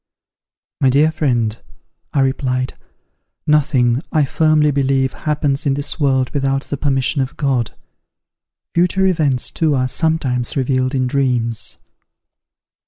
"My dear friend," I replied, "nothing, I firmly believe, happens in this world without the permission of God. Future events, too, are sometimes revealed in dreams."